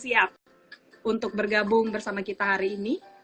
siap untuk bergabung bersama kita hari ini